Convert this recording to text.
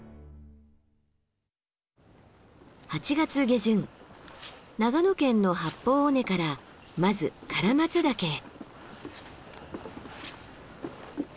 ８月下旬長野県の八方尾根からまず唐松岳へ。